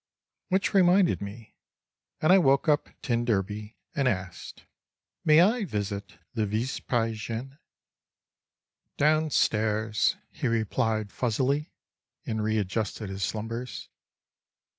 _ Which reminded me—and I woke up t d and asked: "May I visit the vespasienne?" "Downstairs," he replied fuzzily, and readjusted his slumbers.